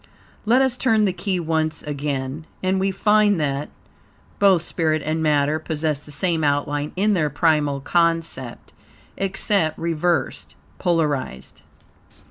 Let us turn the key once again, and we find that, both spirit and matter possess the same outline in their primal concept, except reversed (polarized).